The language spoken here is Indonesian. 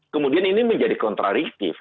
kemudian ini menjadi kontradiktif